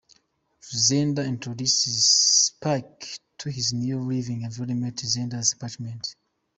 Xander introduces Spike to his new living environment: Xander's apartment.